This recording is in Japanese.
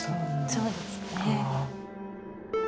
そうですね。